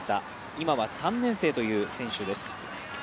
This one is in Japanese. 今は３年生という選手です。